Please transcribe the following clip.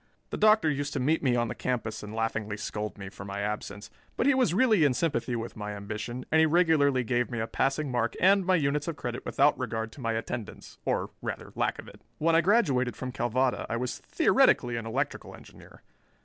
The Doctor used to meet me on the campus and laughingly scold me for my absence, but he was really in sympathy with my ambition and he regularly gave me a passing mark and my units of credit without regard to my attendance, or, rather, lack of it. When I graduated from Calvada I was theoretically an electrical engineer.